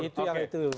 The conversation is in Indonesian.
itu yang itu